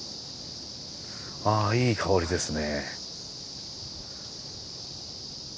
あいい香りですね。